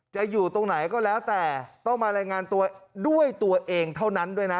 จะอยู่ตรงไหนก็แล้วแต่ต้องมารายงานตัวด้วยตัวเองเท่านั้นด้วยนะ